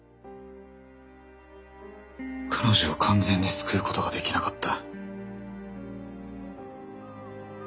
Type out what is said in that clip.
彼女を完全に救うことができなかった。